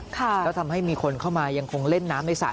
แล้วทำให้มีคนเข้ามายังคงเล่นน้ำในสระ